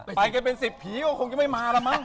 ไปกันเป็น๑๐ผีก็คงจะไม่มาแล้วมั้ง